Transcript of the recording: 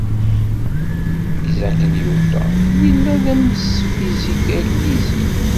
Isaac Newton yella d amesfizik aglizi.